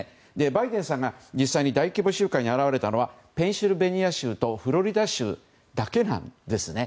バイデンさんが実際に大規模集会に現れたのはペンシルベニア州とフロリダ州だけなんですね。